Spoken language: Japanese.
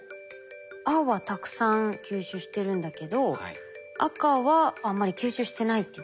青はたくさん吸収してるんだけど赤はあんまり吸収してないっていうことですか？